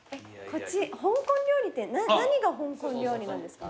こっち香港料理って何が香港料理なんですか？